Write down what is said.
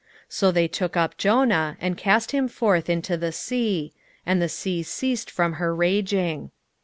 1:15 So they look up Jonah, and cast him forth into the sea: and the sea ceased from her raging.